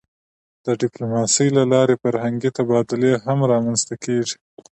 د ډیپلوماسی له لارې فرهنګي تبادلې هم رامنځته کېږي.